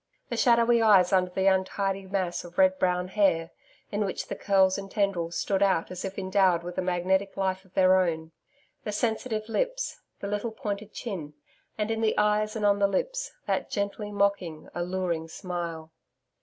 The shadowy eyes under the untidy mass of red brown hair, in which the curls and tendrils stood out as if endowed with a magnetic life of their own; the sensitive lips; the little pointed chin; and, in the eyes and on the lips, that gently mocking, alluring smile.